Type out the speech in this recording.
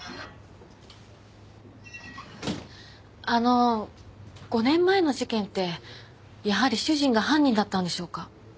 あの５年前の事件ってやはり主人が犯人だったんでしょうか？